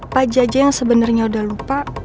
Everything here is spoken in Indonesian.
pak jaja yang sebenarnya udah lupa